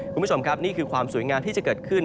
คุณผู้ชมครับนี่คือความสวยงามที่จะเกิดขึ้น